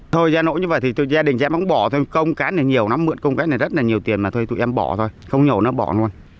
thời gian nổ như vậy thì gia đình em không bỏ thôi công cán này nhiều nó mượn công cán này rất là nhiều tiền mà thôi tụi em bỏ thôi không nhổ nó bỏ luôn